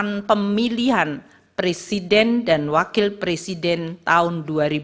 dan pemilihan presiden dan wakil presiden tahun dua ribu dua puluh empat